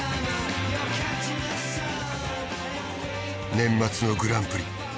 年末のグランプリ。